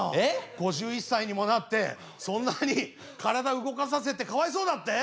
５１歳にもなってそんなに体動かさせてかわいそうだって？